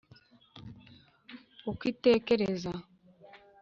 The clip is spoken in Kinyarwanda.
uko itekereza